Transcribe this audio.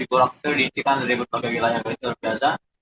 di prokter di intikan dari berbagai wilayah kewajar biasa